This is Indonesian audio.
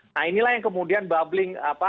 nah inilah yang kemudian bubbling